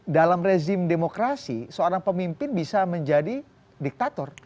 dalam rezim demokrasi seorang pemimpin bisa menjadi diktator